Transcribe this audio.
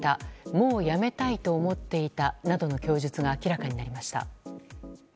もうやめたいと思っていたなどの供述が明らかになりました。